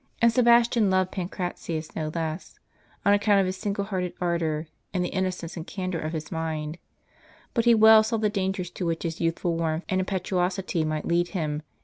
And Sebastian loved Pancratius no less, on account of his single hearted ardor, and the innocence and candor of his mind. But he well saw the dangers to which his youthful warmth and impetuosity might lead him ; and he encouraged * "The sweating goal."